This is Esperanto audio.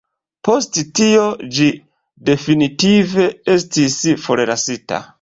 Post tio ĝi definitive estis forlasita.